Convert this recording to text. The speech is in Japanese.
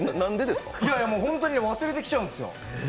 本当に忘れてきちゃうんですよ。